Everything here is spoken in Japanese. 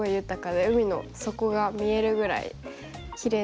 海の底が見えるぐらいきれいなところで。